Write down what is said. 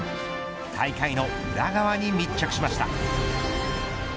大会の裏側に密着しました。